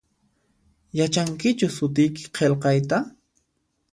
Yachankichu sutiyki qilqayta?